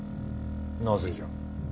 なぜじゃ？